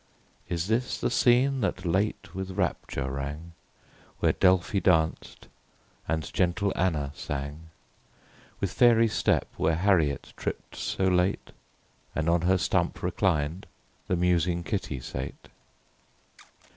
Is this the scene that late with rapture rang, Where Delphy danced, and gentle Anna sang ? With fairy step where Harriet tripp'd so late, And, on her stump reclined, the musing Kitty sate